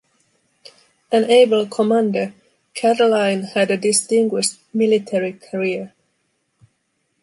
An able commander, Catiline had a distinguished military career.